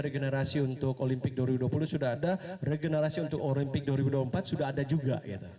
regenerasi untuk olimpik dua ribu dua puluh sudah ada regenerasi untuk olimpik dua ribu dua puluh empat sudah ada juga